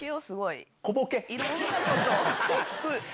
いろんなことをしてくる。